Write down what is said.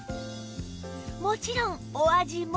もちろんお味も